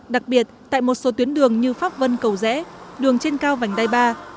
đặc biệt tại một số tuyến đường như pháp vân cầu rẽ đường trên cao vành đai ba